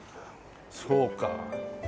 そうか。